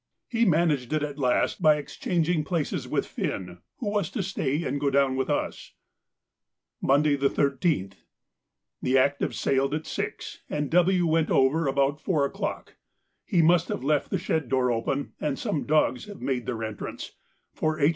He managed it at last by exchanging places with Finn, who was to stay and go down with us. Monday, the 13th.—The 'Active' sailed at six, and W. went over about four o'clock. He must have left the shed door open, and some dogs have made their entrance, for H.